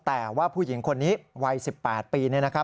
แต่ว่าผู้หญิงคนนี้วัย๑๘ปี